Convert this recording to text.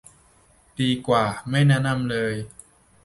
ดีกว่าไม่แนะนำเลย